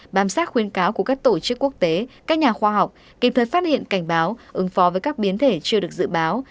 bám sát khuyên cáo của các tổ chức quốc tế các nhà khoa học kịp thời phát hiện cảnh báo ứng phó với các biến thể chưa được dự báo